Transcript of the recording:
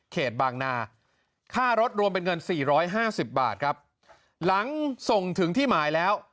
เขตบางนาค่ารถรวมเป็นเงิน๔๕๐บาทครับหลังส่งถึงที่หมายแล้ว